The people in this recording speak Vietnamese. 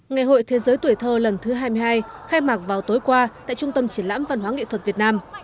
ngày hội thế giới tuổi thơ lần thứ hai mươi hai khai mạc vào tối qua tại trung tâm triển lãm văn hóa nghệ thuật việt nam